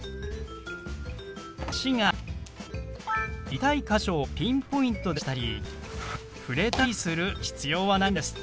痛い箇所をピンポイントで指したり触れたりする必要はないんです。